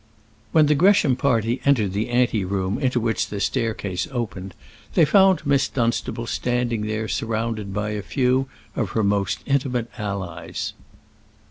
When the Gresham party entered the ante room into which the staircase opened, they found Miss Dunstable standing there surrounded by a few of her most intimate allies.